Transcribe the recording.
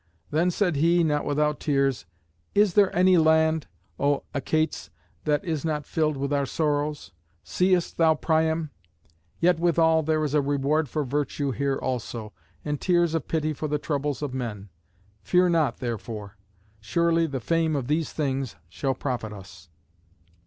Then said he, not without tears, "Is there any land, O Achates, that is not filled with our sorrows? Seest thou Priam? Yet withal there is a reward for virtue here also, and tears and pity for the troubles of men. Fear not, therefore. Surely the fame of these things shall profit us."